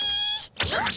あっ！